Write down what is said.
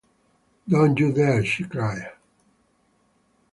“Don’t you dare!” she cried.